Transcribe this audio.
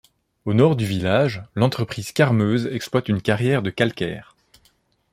Au nord du village, l'entreprise Carmeuse exploite une carrière de calcaire.